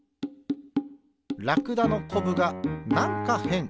ラクダのこぶがなんかへん。